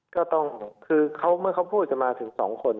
ก็ต้องคือเมื่อเขาพูดจะมาถึง๒คน